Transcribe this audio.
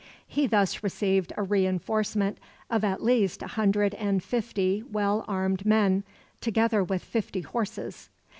He thus received a reinforcement of at least a hundred and fifty well armed men, together with fifty horses.